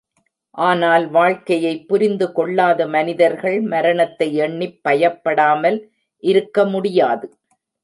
ஆனால், வாழ்க்கையைப் புரிந்து கொள்ளாத மனிதர்கள் மரணத்தை எண்ணிப் பயப்படாமல் இருக்க முடியாது.